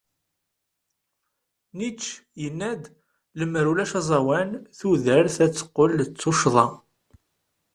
Nietzsche yenna-d: Lemmer ulac aẓawan, tudert ad teqqel d tuccḍa.